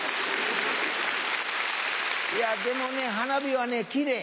いやでもね花火はねキレイ。